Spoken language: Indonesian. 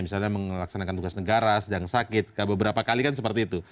misalnya mengelaksanakan tugas negara sedang sakit beberapa kali kan seperti itu